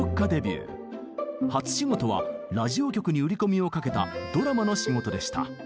初仕事はラジオ局に売り込みをかけたドラマの仕事でした。